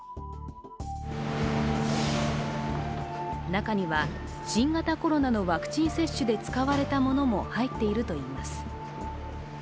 中には新型コロナのワクチン接種で使われたものも入っているといいます。